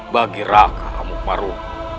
bagi raka amukmaruku